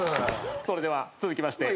それでは続きまして。